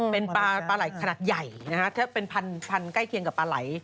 เป็นปลาปลาไหล่ขนาดใหญ่นะฮะถ้าเป็นพันใกล้เคียงกับปลาไหล่